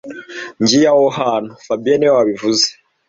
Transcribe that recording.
Ngiye aho hantu fabien niwe wabivuze